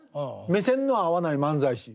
目線の合わない漫才師。